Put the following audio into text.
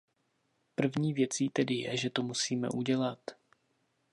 Prví věcí tedy je, že to musíme udělat.